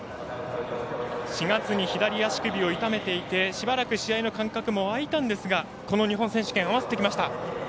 ４月に左足首を痛めていてしばらく試合の間隔も開いたんですがこの日本選手権に合わせてきました。